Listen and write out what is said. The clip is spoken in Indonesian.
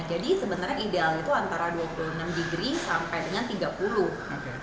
jadi sebenarnya ideal itu antara dua puluh enam degree sampai dengan tiga puluh